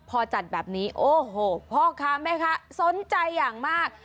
พอจัดแบบนี้โอ้โหพ่อค้าแม่ค้าสนใจอย่างมาก